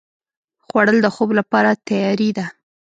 خوړل د خوب لپاره تیاري ده